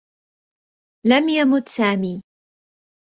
لم يمُت سامي.